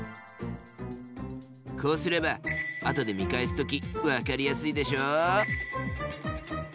こうすればあとで見返す時わかりやすいでしょ？